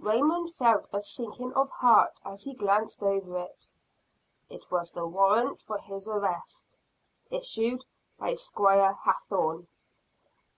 Raymond felt a sinking of heart as he glanced over it it was the warrant for his arrest, issued by Squire Hathorne.